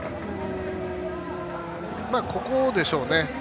ここでしょうね。